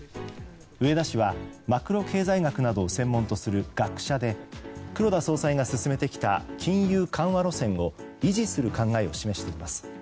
植田氏は、マクロ経済学など専門とする学者で黒田総裁が進めてきた金融緩和路線を維持する考えを示しています。